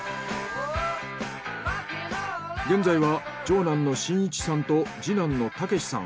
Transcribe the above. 現在は長男の伸一さんと次男の剛士さん